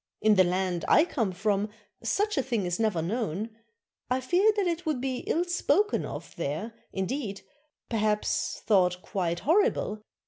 In the land I come from such a thing is never known; I fear that it would be ill spoken of there, indeed, per haps, 'thought quite horrible.